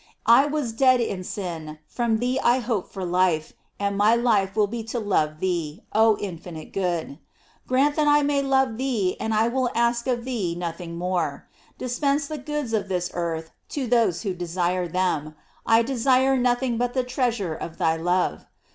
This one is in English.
I was dead in sin; from thee I hope for life, and ray life will be to love thee, oh Infinite Good. Grant that I may love thee, and I will ask of thee nothing more. Dispense the goods of this earth to those who desire them; I desire nothing but the treasure of thy love.